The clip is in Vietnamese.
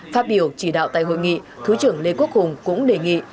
phát biểu chỉ đạo tại hội nghị thứ trưởng lê quốc hùng cũng đề nghị